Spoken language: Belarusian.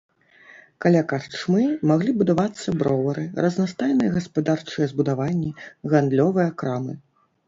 Каля карчмы маглі будавацца бровары, разнастайныя гаспадарчыя збудаванні, гандлёвыя крамы.